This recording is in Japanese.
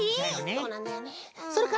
そうなんだよね。